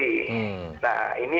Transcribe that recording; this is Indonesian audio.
nah ini yang baru final